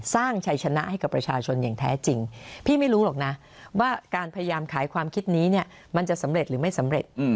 ชัยชนะให้กับประชาชนอย่างแท้จริงพี่ไม่รู้หรอกนะว่าการพยายามขายความคิดนี้เนี่ยมันจะสำเร็จหรือไม่สำเร็จ